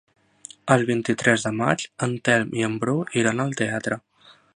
El vint-i-tres de maig en Telm i en Bru iran al teatre.